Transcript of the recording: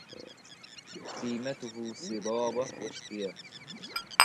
تيمته صبابة وإشتياق